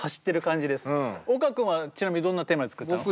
岡君はちなみにどんなテーマで作ったの？